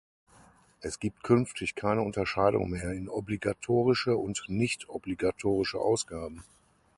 Es gibt künftig keine Unterscheidung mehr in obligatorische und nichtobligatorische Ausgaben.